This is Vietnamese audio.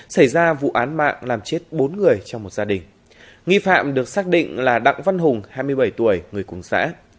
xảy ra vụ án mạng làm chết bốn người trong một gia đình nghi phạm được xác định là đặng văn hùng hai mươi bảy tuổi người cùng xã